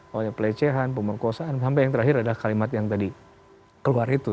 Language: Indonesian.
pokoknya pelecehan pemerkosaan sampai yang terakhir adalah kalimat yang tadi keluar itu